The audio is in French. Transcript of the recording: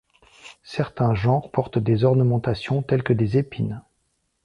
Certains genres portent des ornementations telles que des épines.